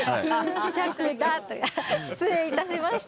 巾着田、失礼いたしました。